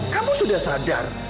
kamu sudah sadar